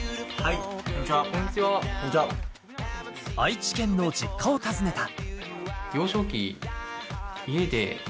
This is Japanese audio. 愛知県の実家を訪ねた。